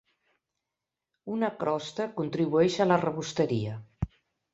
Una crosta contribueix a la rebosteria.